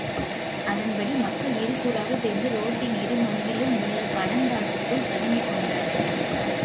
அதன்படி மக்கள் இருகூறாகப் பிரிந்து ரோடின் இரு மருங்கிலும் உள்ள பனங்காட்டுக்குள் பதுங்கிக் கொண்டார்கள்.